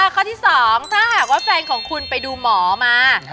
ข้อที่สองถ้าแฟนของคุณไปดูหมอมา